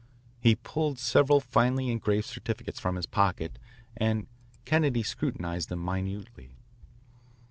He pulled several finely engraved certificates from his pocket and Kennedy scrutinised them minutely.